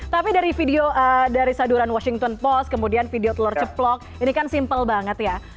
tapi dari video dari saduran washington post kemudian video telur ceplok ini kan simpel banget ya